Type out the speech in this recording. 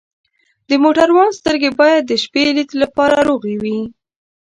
د موټروان سترګې باید د شپې لید لپاره روغې وي.